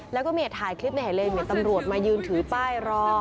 แล้วก็มีถ่ายคลิปในหายเล่มเหมือนตำรวจมายืนถือป้ายรอ